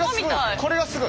これがすごい！